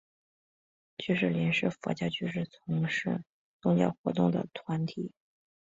居士林是佛教居士从事宗教活动的团体。